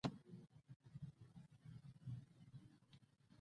مرسل به په راتلونکي کې د افغانستان یو له کاميابو رهبرانو څخه وي!